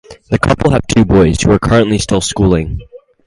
The couple have two boys, who are currently still schooling.